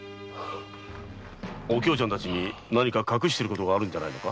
お京ちゃんたちに何か隠していることがあるんじゃないのか？